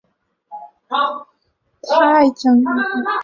瓦诺勒沙泰勒。